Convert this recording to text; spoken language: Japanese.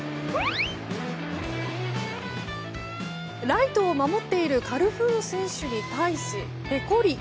ライトを守っているカルフーン選手に対しペコリ。